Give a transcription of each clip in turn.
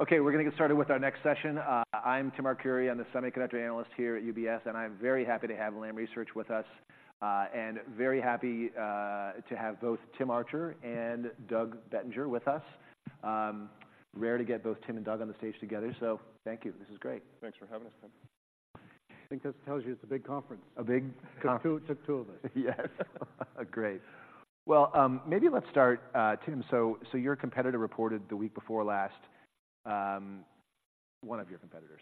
Okay, we're gonna get started with our next session. I'm Tim Arcuri. I'm the semiconductor analyst here at UBS, and I'm very happy to have Lam Research with us, and very happy to have both Tim Archer and Doug Bettinger with us. Rare to get both Tim and Doug on the stage together, so thank you. This is great. Thanks for having us, Tim. I think this tells you it's a big conference. A big con- Took two of us. Yes. Great. Well, maybe let's start, Tim. So, your competitor reported the week before last, one of your competitors.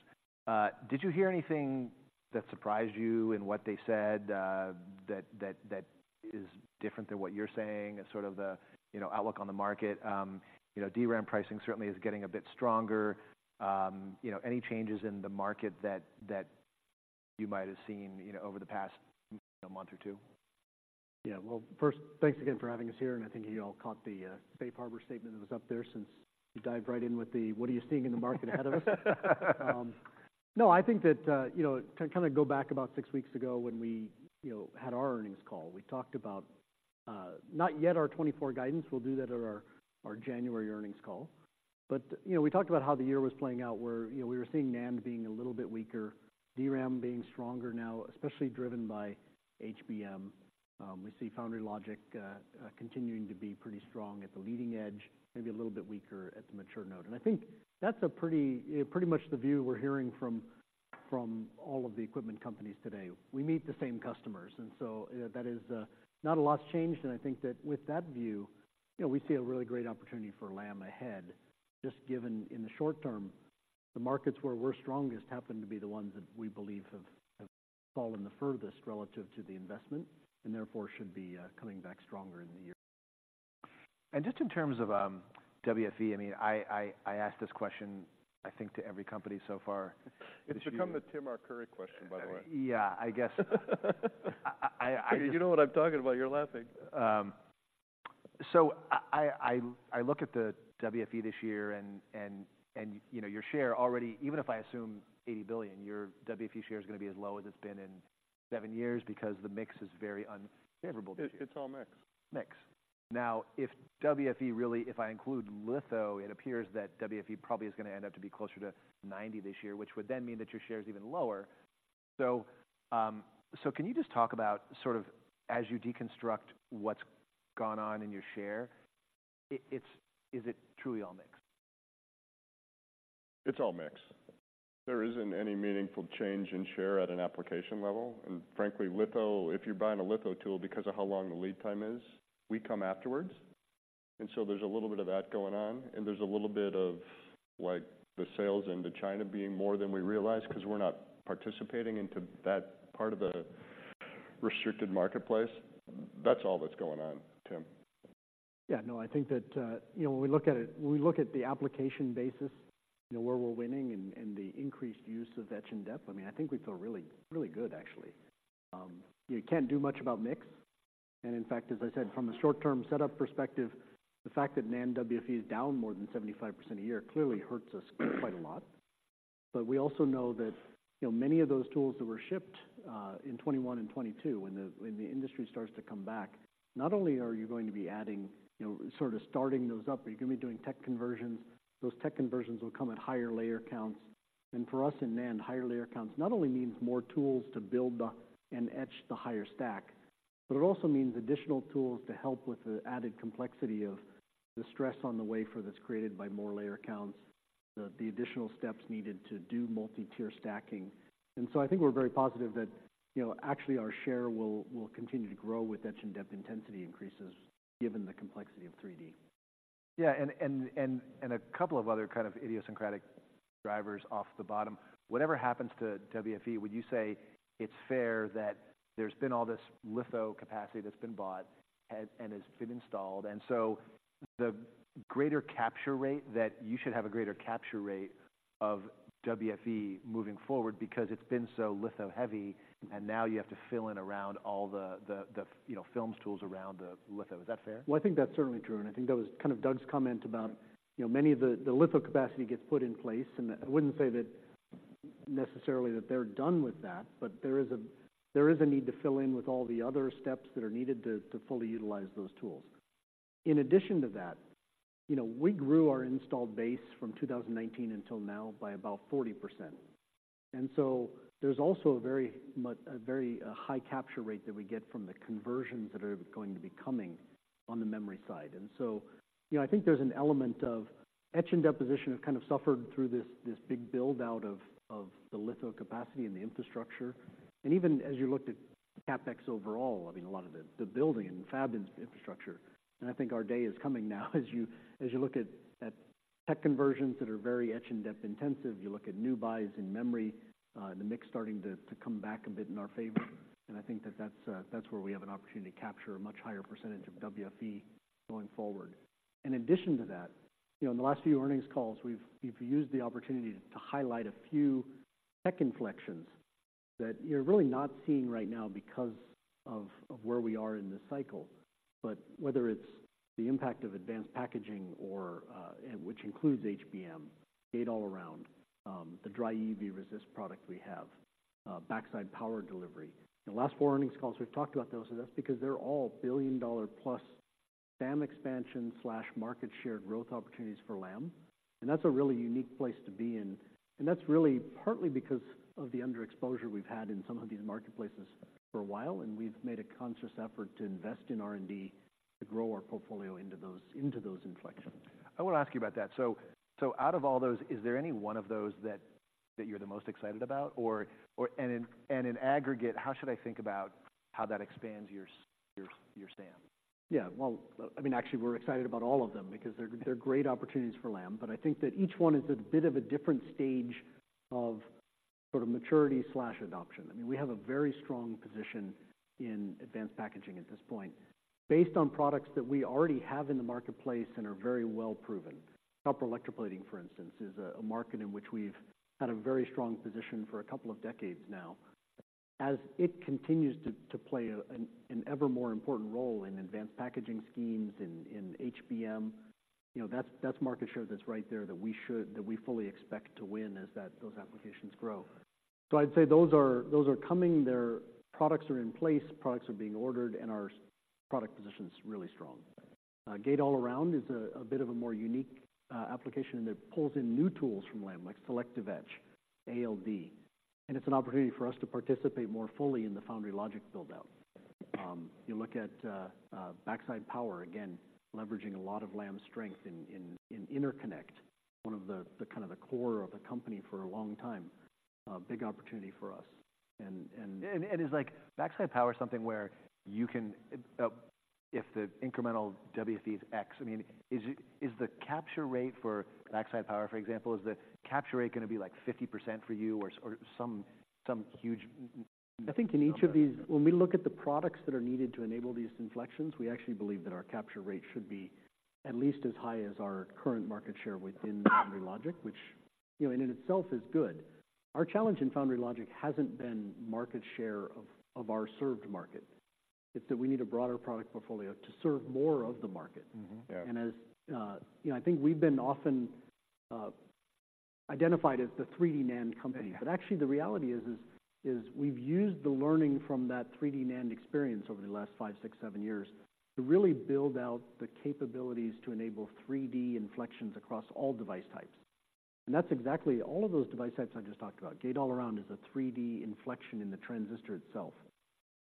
Did you hear anything that surprised you in what they said that is different than what you're saying, and sort of the, you know, outlook on the market? You know, DRAM pricing certainly is getting a bit stronger. You know, any changes in the market that you might have seen, you know, over the past a month or two? Yeah. Well, first, thanks again for having us here, and I think you all caught the safe harbor statement that was up there, since you dived right in with the, "What are you seeing in the market ahead of us?" No, I think that, you know, to kind of go back about six weeks ago when we, you know, had our earnings call. We talked about, not yet our 2024 guidance. We'll do that at our, our January earnings call. But, you know, we talked about how the year was playing out, where, you know, we were seeing NAND being a little bit weaker, DRAM being stronger now, especially driven by HBM. We see Foundry, Logic, continuing to be pretty strong at the leading edge, maybe a little bit weaker at the mature node. I think that's a pretty, pretty much the view we're hearing from all of the equipment companies today. We meet the same customers, and so, that is, not a lot's changed, and I think that with that view, you know, we see a really great opportunity for Lam ahead, just given in the short term, the markets where we're strongest happen to be the ones that we believe have fallen the furthest relative to the investment, and therefore should be, coming back stronger in the year. Just in terms of WFE, I mean, I asked this question, I think, to every company so far. It's become the Tim Arcuri question, by the way. Yeah, I guess. You know what I'm talking about. You're laughing. So I look at the WFE this year and, you know, your share already. Even if I assume $80 billion, your WFE share is going to be as low as it's been in seven years because the mix is very unfavorable. It's all mix. Mix. Now, if WFE really, if I include litho, it appears that WFE probably is going to end up to be closer to 90 this year, which would then mean that your share is even lower. So, so can you just talk about sort of as you deconstruct what's gone on in your share, is it truly all mix? It's all mix. There isn't any meaningful change in share at an application level. And frankly, litho, if you're buying a litho tool, because of how long the lead time is, we come afterwards. And so there's a little bit of that going on, and there's a little bit of, like, the sales into China being more than we realized, 'cause we're not participating into that part of the restricted marketplace. That's all that's going on, Tim. Yeah, no, I think that, you know, when we look at it, when we look at the application basis, you know, where we're winning and, and the increased use of etch and dep, I mean, I think we feel really, really good, actually. You can't do much about mix, and in fact, as I said, from a short-term setup perspective, the fact that NAND WFE is down more than 75% a year clearly hurts us quite a lot. But we also know that, you know, many of those tools that were shipped in 2021 and 2022, when the, when the industry starts to come back, not only are you going to be adding, you know, sort of starting those up, but you're going to be doing tech conversions. Those tech conversions will come at higher layer counts. For us in NAND, higher layer counts not only means more tools to build and etch the higher stack, but it also means additional tools to help with the added complexity of the stress on the wafer that's created by more layer counts, the additional steps needed to do multi-tier stacking. So I think we're very positive that, you know, actually our share will continue to grow with etch and dep intensity increases, given the complexity of 3D. Yeah, and a couple of other kind of idiosyncratic drivers off the bottom. Whatever happens to WFE, would you say it's fair that there's been all this litho capacity that's been bought and has been installed, and so the greater capture rate, that you should have a greater capture rate of WFE moving forward because it's been so litho-heavy, and now you have to fill in around all the, you know, films tools around the litho. Is that fair? Well, I think that's certainly true, and I think that was kind of Doug's comment about, you know, many of the-- the litho capacity gets put in place, and I wouldn't say that necessarily that they're done with that, but there is a, there is a need to fill in with all the other steps that are needed to, to fully utilize those tools. In addition to that, you know, we grew our installed base from 2019 until now by about 40%. And so there's also a very much, a very, high capture rate that we get from the conversions that are going to be coming on the memory side. And so, you know, I think there's an element of etch and deposition have kind of suffered through this, this big build-out of, of the litho capacity and the infrastructure. Even as you looked at CapEx overall, I mean, a lot of the building and fab infrastructure, and I think our day is coming now as you look at Tech Conversions that are very Etch and deposition intensive, you look at new buys in memory, the mix starting to come back a bit in our favor. And I think that's where we have an opportunity to capture a much higher percentage of WFE going forward. In addition to that, you know, in the last few earnings calls, we've used the opportunity to highlight a few tech inflections that you're really not seeing right now because of where we are in this cycle. But whether it's the impact of Advanced Packaging or and which includes HBM, Gate-All-Around, the Dry EUV Resist product we have- Backside power delivery. In the last four earnings calls, we've talked about those, and that's because they're all billion-dollar-plus SAM expansion/market share growth opportunities for Lam. That's a really unique place to be in. That's really partly because of the under exposure we've had in some of these marketplaces for a while, and we've made a conscious effort to invest in R&D to grow our portfolio into those, into those inflections. I want to ask you about that. So, out of all those, is there any one of those that you're the most excited about? Or, and in aggregate, how should I think about how that expands your SAM? Yeah, well, I mean, actually, we're excited about all of them because they're great opportunities for Lam. But I think that each one is a bit of a different stage of sort of maturity/adoption. I mean, we have a very strong position in advanced packaging at this point, based on products that we already have in the marketplace and are very well proven. Copper electroplating, for instance, is a market in which we've had a very strong position for a couple of decades now. As it continues to play an ever more important role in advanced packaging schemes, in HBM, you know, that's market share that's right there that we should that we fully expect to win as that, those applications grow. So I'd say those are coming. Their products are in place, products are being ordered, and our product position is really strong. Gate-All-Around is a bit of a more unique application, and it pulls in new tools from Lam, like selective etch, ALD. And it's an opportunity for us to participate more fully in the Foundry, Logic build-out. You look at backside power, again, leveraging a lot of Lam's strength in interconnect, one of the kind of the core of the company for a long time, big opportunity for us. And, and- And it's like, backside power is something where you can, if the incremental WFE is X, I mean, is the capture rate for backside power, for example, going to be like 50% for you or some huge- I think in each of these, when we look at the products that are needed to enable these inflections, we actually believe that our capture rate should be at least as high as our current market share within Foundry, Logic, which, you know, in itself is good. Our challenge in Foundry, Logic hasn't been market share of our served market. It's that we need a broader product portfolio to serve more of the market. Mm-hmm. Yeah. As you know, I think we've been often identified as the 3D NAND company. Yeah. But actually, the reality is we've used the learning from that 3D NAND experience over the last 5, 6, 7 years, to really build out the capabilities to enable 3D inflections across all device types. And that's exactly all of those device types I just talked about. Gate-All-Around is a 3D inflection in the transistor itself.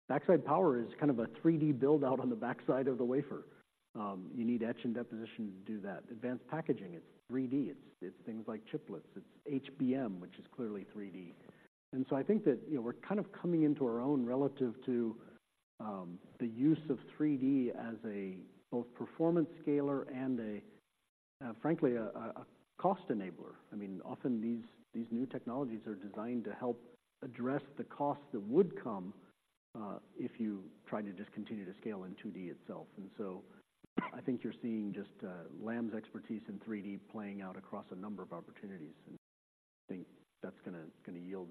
Backside Power is kind of a 3D build-out on the backside of the wafer. You need etch and deposition to do that. Advanced Packaging, it's 3D. It's things like chiplets. It's HBM, which is clearly 3D. And so I think that, you know, we're kind of coming into our own relative to the use of 3D as both a performance scaler and, frankly, a cost enabler. I mean, often these, these new technologies are designed to help address the costs that would come if you try to just continue to scale in 2D itself. And so I think you're seeing just Lam's expertise in 3D playing out across a number of opportunities. And I think that's gonna, gonna yield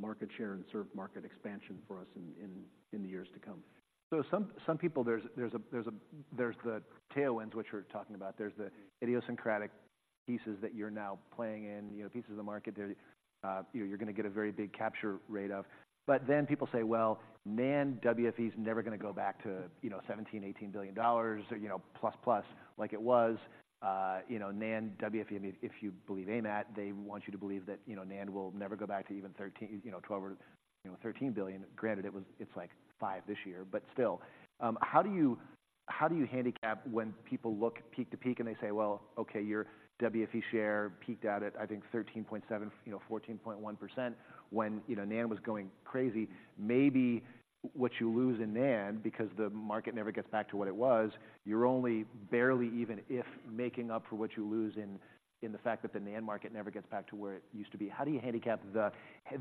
market share and serve market expansion for us in, in, in the years to come. So some people, there's the tailwinds, which we're talking about. There's the idiosyncratic pieces that you're now playing in, you know, pieces of the market that, you know, you're going to get a very big capture rate of. But then people say, "Well, NAND WFE is never going to go back to, you know, $17 billion-$18 billion, you know, plus, plus like it was." You know, NAND WFE, I mean, if you believe AMAT, they want you to believe that, you know, NAND will never go back to even thirteen, you know, $12 billion or, you know, $13 billion. Granted, it was, it's like $5 billion this year, but still. How do you, how do you handicap when people look peak to peak, and they say, "Well, okay, your WFE share peaked out at, I think, 13.7, you know, 14.1%, when, you know, NAND was going crazy." Maybe what you lose in NAND, because the market never gets back to what it was, you're only barely even if making up for what you lose in, in the fact that the NAND market never gets back to where it used to be. How do you handicap the,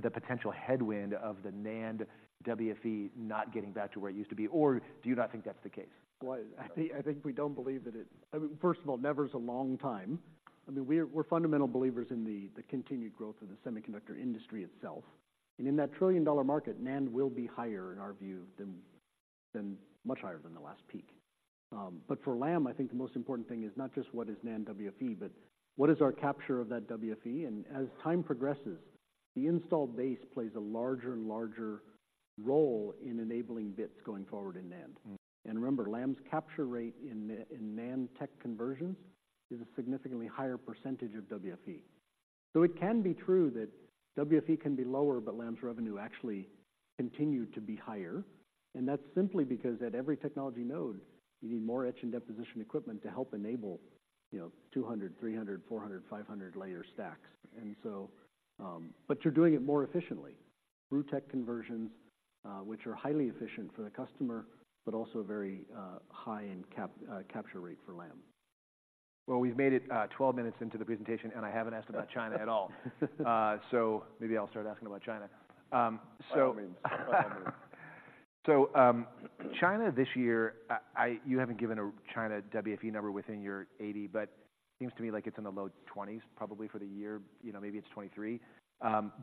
the potential headwind of the NAND WFE not getting back to where it used to be, or do you not think that's the case? Well, I think, I think we don't believe that it. I mean, first of all, never is a long time. I mean, we're, we're fundamental believers in the, the continued growth of the semiconductor industry itself. And in that trillion-dollar market, NAND will be higher, in our view, than, than much higher than the last peak. But for Lam, I think the most important thing is not just what is NAND WFE, but what is our capture of that WFE? And as time progresses, the installed base plays a larger and larger role in enabling bits going forward in NAND. Mm-hmm. And remember, Lam's capture rate in NAND tech conversions is a significantly higher percentage of WFE. So it can be true that WFE can be lower, but Lam's revenue actually continue to be higher, and that's simply because at every technology node, you need more etch and deposition equipment to help enable, you know, 200 layer stacks, 300 layer stacks, 400 layer stacks, 500 layer stacks. And so, but you're doing it more efficiently. Tech conversions, which are highly efficient for the customer, but also very high in capture rate for Lam. Well, we've made it, 12 minutes into the presentation, and I haven't asked about China at all. So maybe I'll start asking about China. By all means. So, China this year, I you haven't given a China WFE number within your $80, but it seems to me like it's in the low $20s, probably for the year, you know, maybe it's $23.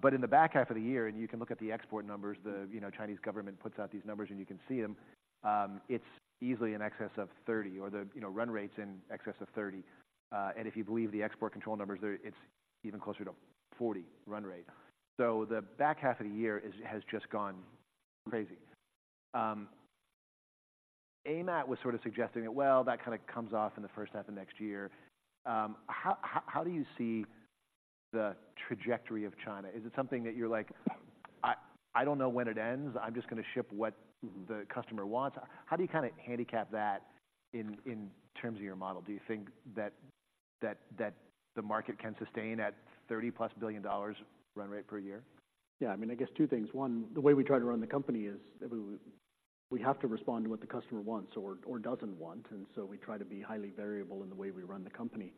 But in the back half of the year, and you can look at the export numbers, the, you know, Chinese government puts out these numbers, and you can see them, it's easily in excess of $30, or the, you know, run rate's in excess of $30. And if you believe the export control numbers there, it's even closer to $40 run rate. So the back half of the year has just gone crazy. AMAT was sort of suggesting that, well, that kind of comes off in the first half of next year. How do you see the trajectory of China? Is it something that you're like: I don't know when it ends, I'm just going to ship what the customer wants. How do you kind of handicap that in terms of your model? Do you think that the market can sustain at $30+ billion run rate per year? Yeah, I mean, I guess two things. One, the way we try to run the company is we have to respond to what the customer wants or doesn't want, and so we try to be highly variable in the way we run the company.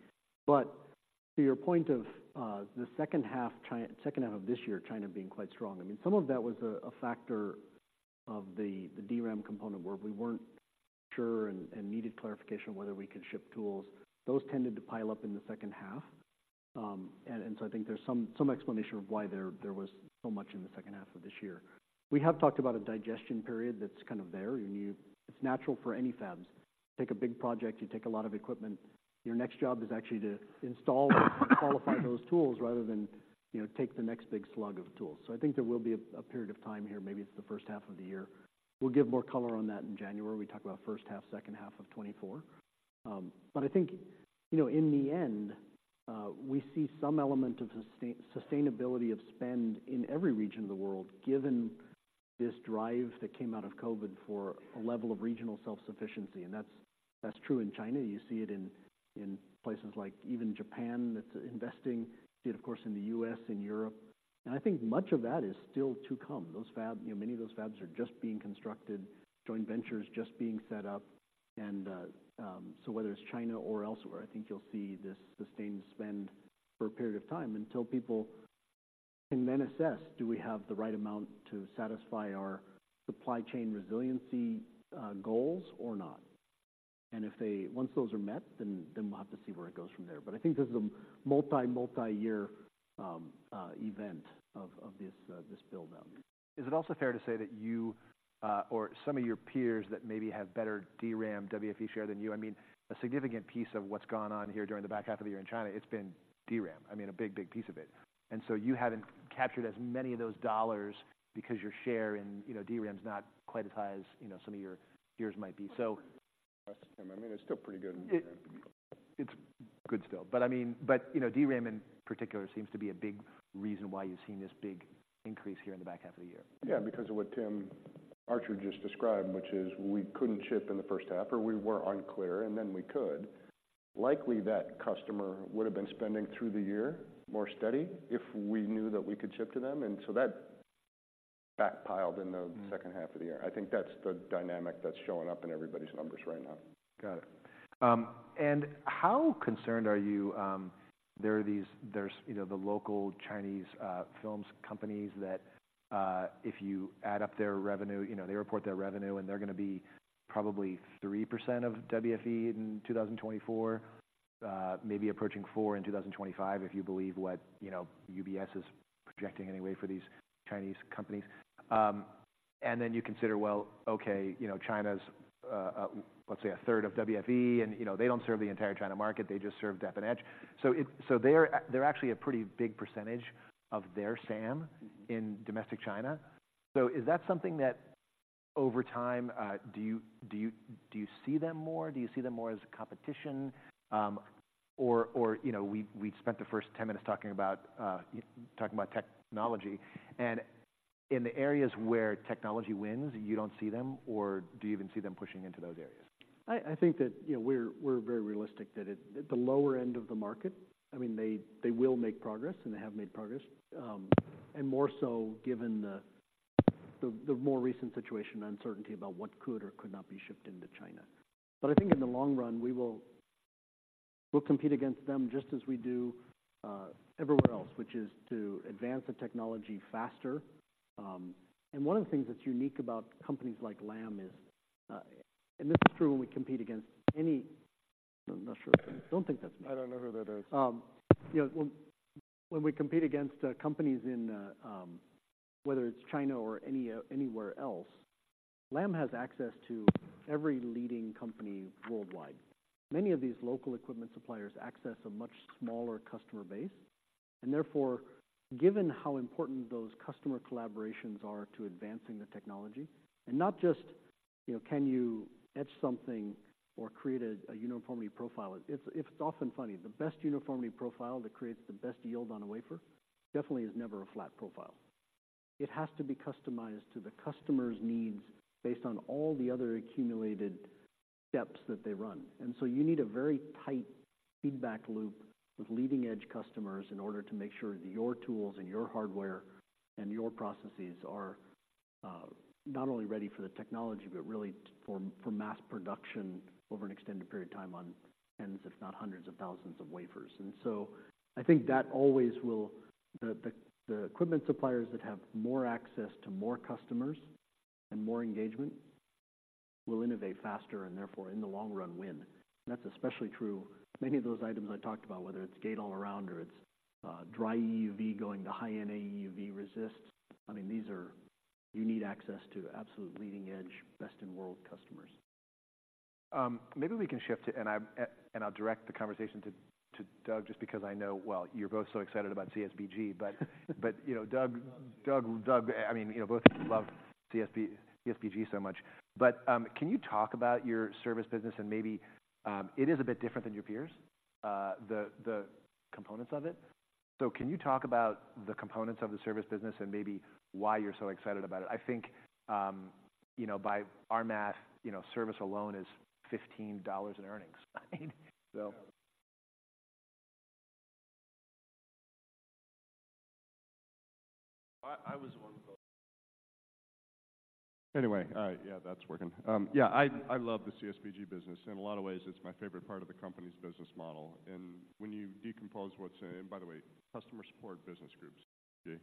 But to your point of the second half of this year, China being quite strong, I mean, some of that was a factor of the DRAM component, where we weren't sure and needed clarification on whether we could ship tools. Those tended to pile up in the second half, and so I think there's some explanation of why there was so much in the second half of this year. We have talked about a digestion period that's kind of there. It's natural for any fabs. Take a big project, you take a lot of equipment, your next job is actually to install and qualify those tools rather than, you know, take the next big slug of tools. So I think there will be a period of time here, maybe it's the first half of the year. We'll give more color on that in January. We talk about first half, second half of 2024. But I think, you know, in the end, we see some element of sustainability of spend in every region of the world, given this drive that came out of COVID for a level of regional self-sufficiency, and that's true in China. You see it in places like even Japan, that's investing. You see it, of course, in the US and Europe, and I think much of that is still to come. Those fab, you know, many of those fabs are just being constructed, joint ventures just being set up. And so whether it's China or elsewhere, I think you'll see this sustained spend for a period of time until people can then assess, do we have the right amount to satisfy our supply chain resiliency goals or not? Once those are met, then we'll have to see where it goes from there. But I think this is a multi-year event of this build-out. Is it also fair to say that you, or some of your peers that maybe have better DRAM WFE share than you. I mean, a significant piece of what's gone on here during the back half of the year in China, it's been DRAM. I mean, a big, big piece of it. And so you haven't captured as many of those dollars because your share in, you know, DRAM's not quite as high as, you know, some of your peers might be. So- I mean, it's still pretty good in DRAM. It's good still, but I mean, but, you know, DRAM in particular seems to be a big reason why you've seen this big increase here in the back half of the year. Yeah, because of what Tim Archer just described, which is we couldn't ship in the first half or we were unclear, and then we could. Likely, that customer would have been spending through the year, more steady, if we knew that we could ship to them, and so that back piled in the second half of the year. I think that's the dynamic that's showing up in everybody's numbers right now. Got it. And how concerned are you, there are these—there's, you know, the local Chinese film companies that, if you add up their revenue, you know, they report their revenue, and they're going to be probably 3% of WFE in 2024, maybe approaching 4% in 2025, if you believe what, you know, UBS is projecting anyway for these Chinese companies. And then you consider, well, okay, you know, China's, let's say, a third of WFE, and, you know, they don't serve the entire China market. They just serve Dep and Etch. So it, so they're, they're actually a pretty big percentage of their SAM in domestic China. So is that something that over time, do you see them more as competition? Or, you know, we spent the first 10 minutes talking about technology, and in the areas where technology wins, you don't see them, or do you even see them pushing into those areas? I think that, you know, we're very realistic that at the lower end of the market, I mean, they will make progress, and they have made progress, and more so given the more recent situation, uncertainty about what could or could not be shipped into China. But I think in the long run, we'll compete against them just as we do everywhere else, which is to advance the technology faster. And one of the things that's unique about companies like Lam is, and this is true when we compete against any... I'm not sure. I don't think that's me. I don't know who that is. You know, when we compete against companies in whether it's China or anywhere else, Lam has access to every leading company worldwide. Many of these local equipment suppliers access a much smaller customer base, and therefore, given how important those customer collaborations are to advancing the technology, and not just, you know, can you etch something or create a uniformity profile? It's often funny, the best uniformity profile that creates the best yield on a wafer definitely is never a flat profile. It has to be customized to the customer's needs based on all the other accumulated steps that they run. And so you need a very tight feedback loop with leading-edge customers in order to make sure that your tools and your hardware and your processes are not only ready for the technology, but really for mass production over an extended period of time on tens, if not hundreds of thousands of wafers. And so I think that always will, the equipment suppliers that have more access to more customers and more engagement will innovate faster and therefore, in the long run, win. That's especially true, many of those items I talked about, whether it's Gate-All-Around or it's dry EUV going to High-NA EUV resists. I mean, these are. You need access to absolute leading-edge, best-in-world customers. Maybe we can shift to, and I'll direct the conversation to Doug, just because I know, well, you're both so excited about CSBG, but you know, Doug, I mean, you know, both of you loved CSBG so much. But can you talk about your service business and maybe. It is a bit different than your peers, the components of it. So can you talk about the components of the service business and maybe why you're so excited about it? I think, you know, by our math, you know, service alone is $15 in earnings. I mean, so. Anyway, yeah, that's working. Yeah, I love the CSBG business. In a lot of ways, it's my favorite part of the company's business model. And when you decompose what's in it. And by the way, Customer Support Business roups,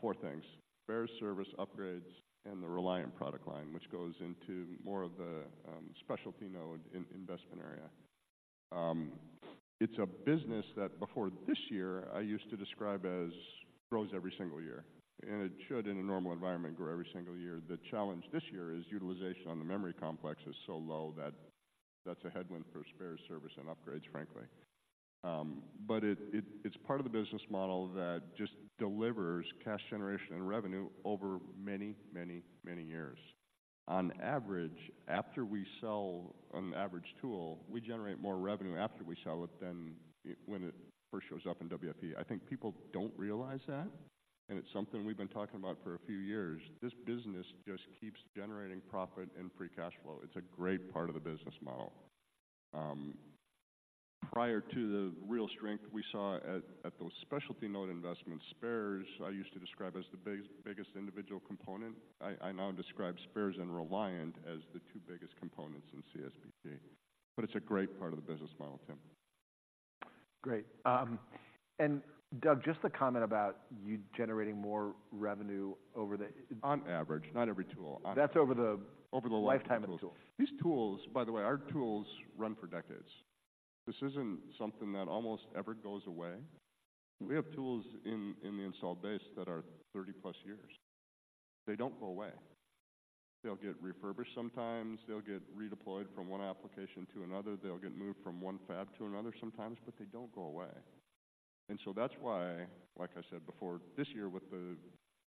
four things: spare service, upgrades, and the Reliant product line, which goes into more of the specialty node investment area. It's a business that, before this year, I used to describe as grows every single year, and it should, in a normal environment, grow every single year. The challenge this year is utilization on the memory complex is so low that that's a headwind for spare service and upgrades, frankly. But it's part of the business model that just delivers cash generation and revenue over many, many, many years. On average, after we sell an average tool, we generate more revenue after we sell it than when it first shows up in WFE. I think people don't realize that, and it's something we've been talking about for a few years. This business just keeps generating profit and free cash flow. It's a great part of the business model. Prior to the real strength we saw at those specialty node investments, spares, I used to describe as the biggest individual component. I now describe spares and Reliant as the two biggest components in CSBG, but it's a great part of the business model, Tim. Great. And Doug, just to comment about you generating more revenue over the- On average, not every tool. That's over the- Over the life lifetime of the tool. These tools, by the way, our tools run for decades. This isn't something that almost ever goes away. We have tools in the installed base that are 30+ years. They don't go away. They'll get refurbished sometimes, they'll get redeployed from one application to another, they'll get moved from one fab to another sometimes, but they don't go away. And so that's why, like I said before, this year, with the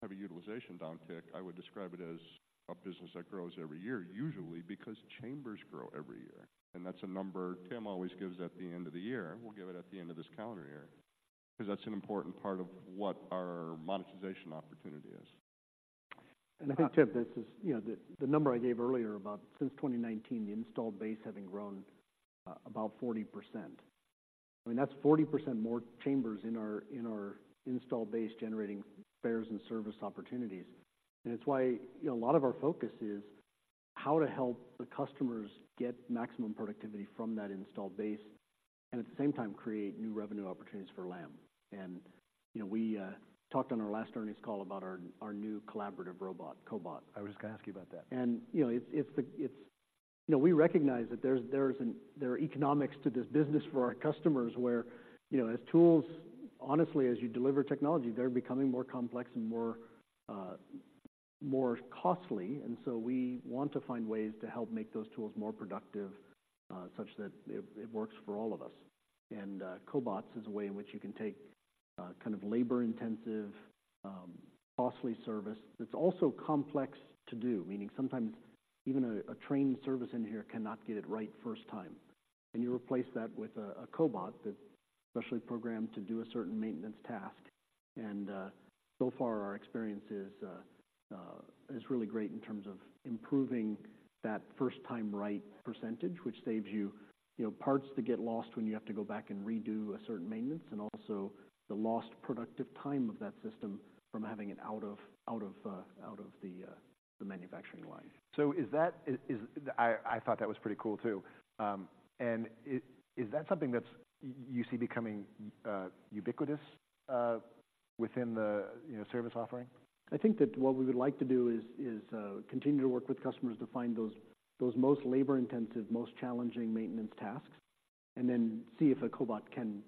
heavy utilization downtick, I would describe it as a business that grows every year, usually because chambers grow every year, and that's a number Tim always gives at the end of the year. We'll give it at the end of this calendar year, 'cause that's an important part of what our monetization opportunity is. And I think, Tim, this is, you know, the, the number I gave earlier about since 2019, the installed base having grown about 40%. I mean, that's 40% more chambers in our, in our installed base generating spares and service opportunities. And it's why, you know, a lot of our focus is how to help the customers get maximum productivity from that installed base and at the same time create new revenue opportunities for Lam. And, you know, we talked on our last earnings call about our, our new collaborative robot, cobot. I was gonna ask you about that. You know, it's the. You know, we recognize that there are economics to this business for our customers where, you know, as tools, honestly, as you deliver technology, they're becoming more complex and more costly. And so we want to find ways to help make those tools more productive, such that it works for all of us. And, cobots is a way in which you can take kind of labor-intensive, costly service, that's also complex to do, meaning sometimes even a trained service engineer cannot get it right first time. You replace that with a cobot that's specially programmed to do a certain maintenance task, and so far our experience is really great in terms of improving that first-time right percentage, which saves you, you know, parts that get lost when you have to go back and redo a certain maintenance, and also the lost productive time of that system from having it out of the manufacturing line. So is that. I thought that was pretty cool, too. And is that something that's you see becoming ubiquitous within the, you know, service offering? I think that what we would like to do is continue to work with customers to find those most labor-intensive, most challenging maintenance tasks, and then see if a cobot can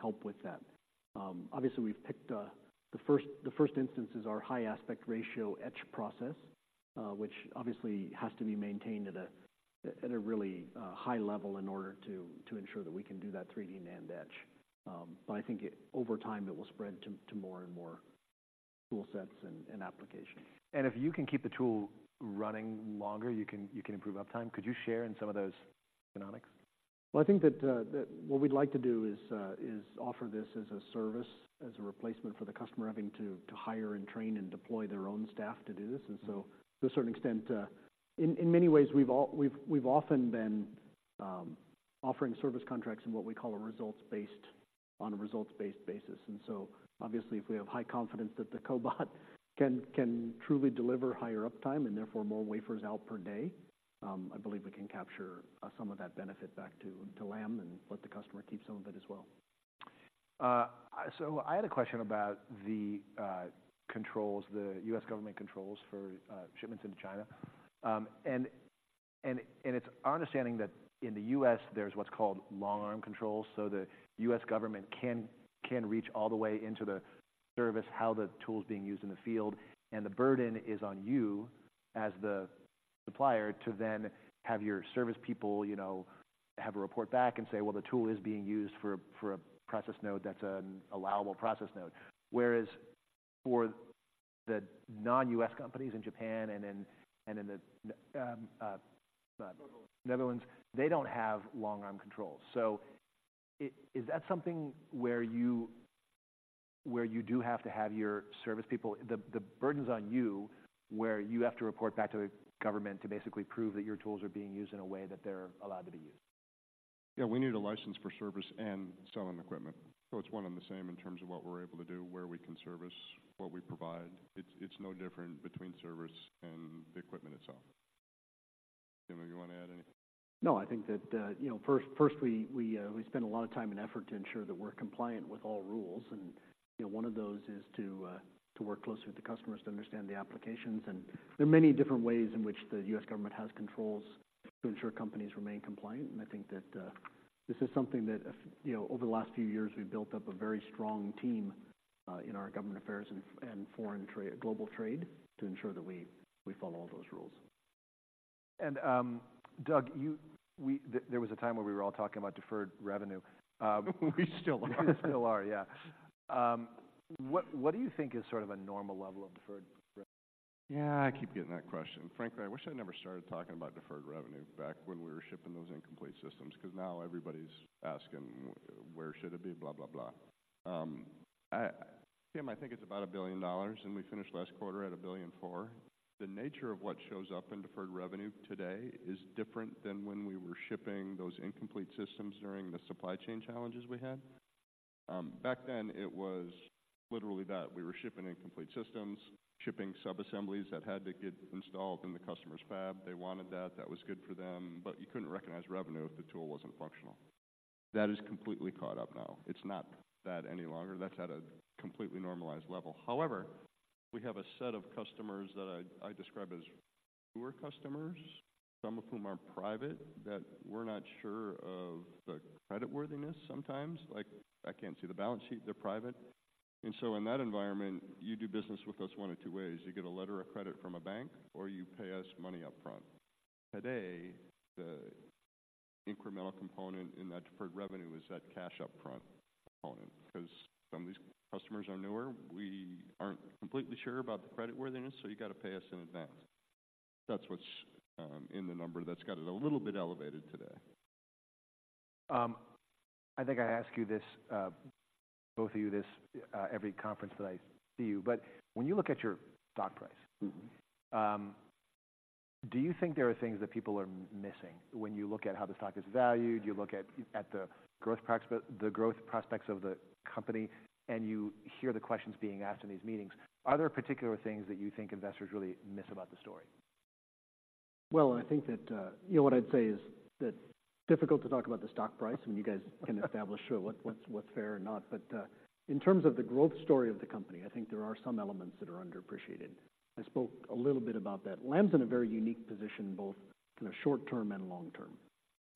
help with that. Obviously, we've picked the first instance is our high aspect ratio etch process, which obviously has to be maintained at a really high level in order to ensure that we can do that 3D NAND etch. But I think over time, it will spread to more and more tool sets and applications. If you can keep the tool running longer, you can, you can improve uptime. Could you share in some of those economics? Well, I think that what we'd like to do is offer this as a service, as a replacement for the customer having to hire and train and deploy their own staff to do this. And so to a certain extent, in many ways, we've often been offering service contracts in what we call a results-based, on a results-based basis. And so obviously, if we have high confidence that the cobot can truly deliver higher uptime and therefore more wafers out per day, I believe we can capture some of that benefit back to Lam and let the customer keep some of it as well. I had a question about the controls, the U.S. government controls for shipments into China. It's our understanding that in the U.S., there's what's called long-arm controls, so the U.S. government can reach all the way into the service, how the tool is being used in the field, and the burden is on you as the supplier to then have your service people, you know, have a report back and say: Well, the tool is being used for a process node that's an allowable process node. Whereas for the non-U.S. companies in Japan and in the, Netherlands. Netherlands, they don't have long-arm controls. So is that something where you, where you do have to have your service people, the, the burden's on you, where you have to report back to the government to basically prove that your tools are being used in a way that they're allowed to be used? Yeah, we need a license for service and selling equipment, so it's one and the same in terms of what we're able to do, where we can service, what we provide. It's, it's no different between service and the equipment itself. Tim, you wanna add anything? No, I think that, you know, first, firstly, we spend a lot of time and effort to ensure that we're compliant with all rules. And, you know, one of those is to work closely with the customers to understand the applications. And there are many different ways in which the U.S. government has controls to ensure companies remain compliant. And I think that, this is something that, you know, over the last few years, we've built up a very strong team, in our government affairs and foreign trade, global trade, to ensure that we follow all those rules. Doug, there was a time where we were all talking about deferred revenue. We still are. We still are, yeah. What, what do you think is sort of a normal level of deferred revenue? Yeah, I keep getting that question. Frankly, I wish I never started talking about deferred revenue back when we were shipping those incomplete systems, because now everybody's asking: Where should it be? Blah, blah, blah. Tim, I think it's about $1 billion, and we finished last quarter at $1.004 billion. The nature of what shows up in deferred revenue today is different than when we were shipping those incomplete systems during the supply chain challenges we had. Back then, it was literally that. We were shipping incomplete systems, shipping sub-assemblies that had to get installed in the customer's fab. They wanted that. That was good for them, but you couldn't recognize revenue if the tool wasn't functional. That is completely caught up now. It's not that any longer. That's at a completely normalized level. However, we have a set of customers that I, I describe as newer customers, some of whom are private, that we're not sure of the creditworthiness sometimes. Like, I can't see the balance sheet, they're private. And so in that environment, you do business with us one of two ways: you get a letter of credit from a bank, or you pay us money upfront. Today, the incremental component in that deferred revenue is that cash-up-front component, because some of these customers are newer. We aren't completely sure about the creditworthiness, so you've got to pay us in advance. That's what's in the number that's got it a little bit elevated today. I think I ask you this, both of you, this, every conference that I see you, but when you look at your stock price- Mm-hmm. Do you think there are things that people are missing when you look at how the stock is valued, you look at the growth prospects of the company, and you hear the questions being asked in these meetings? Are there particular things that you think investors really miss about the story? Well, I think that, you know, what I'd say is that it's difficult to talk about the stock price, when you guys can establish, sure, what's fair or not. But, in terms of the growth story of the company, I think there are some elements that are underappreciated. I spoke a little bit about that. Lam's in a very unique position, both in the short term and long term.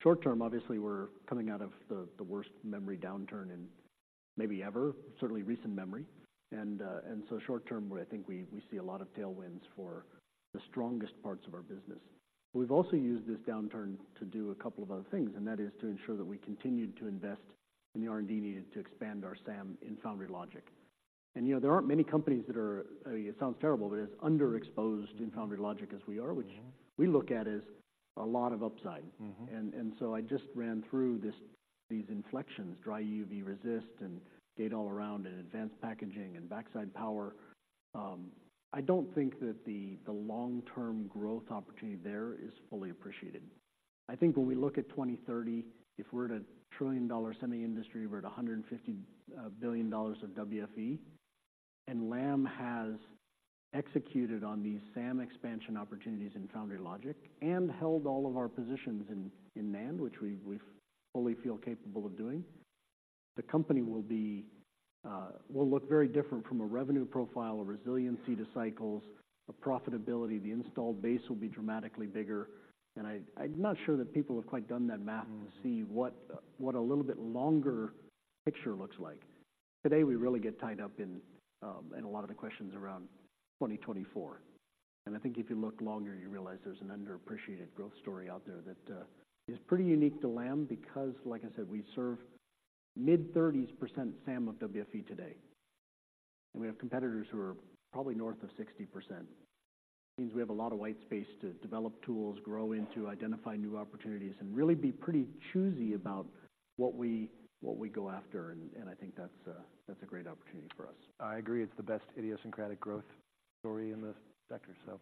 Short term, obviously, we're coming out of the worst memory downturn in maybe ever, certainly recent memory. And so short term, where I think we see a lot of tailwinds for the strongest parts of our business. We've also used this downturn to do a couple of other things, and that is to ensure that we continued to invest in the R&D needed to expand our SAM in Foundry, Logic. You know, there aren't many companies that are it sounds terrible, but as underexposed in Foundry, Logic as we are- Mm-hmm which we look at as a lot of upside. Mm-hmm. So I just ran through this, these inflections, dry EUV resist and gate-all-around and advanced packaging and backside power. I don't think that the long-term growth opportunity there is fully appreciated. I think when we look at 2030, if we're at a $1 trillion semi industry, we're at $150 billion of WFE, and Lam has executed on these SAM expansion opportunities in Foundry, Logic and held all of our positions in NAND, which we fully feel capable of doing, the company will be, will look very different from a revenue profile, a resiliency to cycles, a profitability. The installed base will be dramatically bigger, and I'm not sure that people have quite done that math. Mm-hmm To see what a little bit longer picture looks like. Today, we really get tied up in a lot of the questions around 2024. And I think if you look longer, you realize there's an underappreciated growth story out there that is pretty unique to Lam because, like I said, we serve mid-30s% SAM of WFE today, and we have competitors who are probably north of 60%. It means we have a lot of white space to develop tools, grow into, identify new opportunities, and really be pretty choosy about what we go after, and I think that's a great opportunity for us. I agree, it's the best idiosyncratic growth story in the sector, so.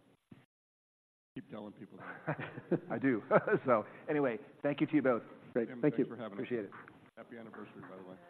Keep telling people that. I do. So anyway, thank you to you both. Great. Thanks for having us. Appreciate it. Happy anniversary, by the way.